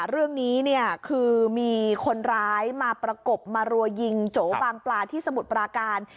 เรื่องนี้เนี่ยคือมีคนร้ายมาประกบมารัวยิงโจบางปลาที่สมุทรปราการ